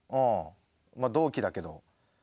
まあ同期だけど。